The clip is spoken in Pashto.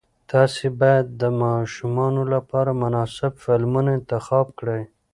تاسې باید د ماشومانو لپاره مناسب فلمونه انتخاب کړئ.